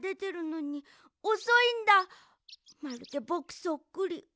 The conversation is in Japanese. まるでぼくそっくり。